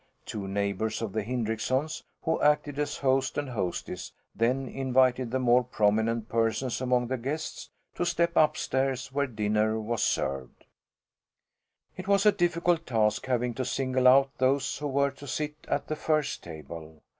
Two neighbours of the Hindricksons, who acted as host and hostess, then invited the more prominent persons among the guests to step upstairs, where dinner was served. It was a difficult task having to single out those who were to sit at the first table.